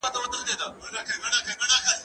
زه به سبا موسيقي اورم!؟